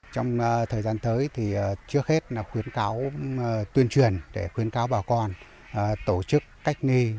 trong thời gian tới trước hết khuyến cáo tuyên truyền để khuyến cáo bà con tổ chức cách nghi